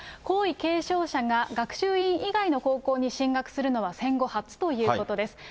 皇位継承者が学習院以外の高校に進学するのは戦後初ということです。